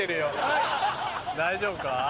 大丈夫か？